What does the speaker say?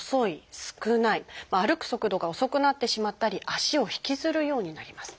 歩く速度が遅くなってしまったり足を引きずるようになります。